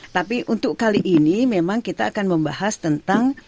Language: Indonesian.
tapi untuk kali ini memang kita akan membahas tentang